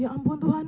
ya ampun tuhan